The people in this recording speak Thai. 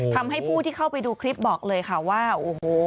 ทำให้ผู้ที่เข้าไปดูคลิปบอกเลยค่ะว่าโอ้โห